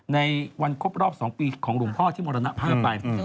ในวันครบรอบ๒ปีของหลวงพ่อที่มรณภาพไป